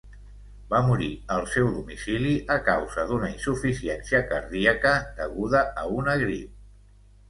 Va morir al seu domicili a causa d'una insuficiència cardíaca deguda a una grip.